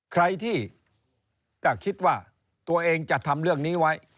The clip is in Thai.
ใครที่จะคิดว่าตัวเองจะทำเรื่องนี้ไว้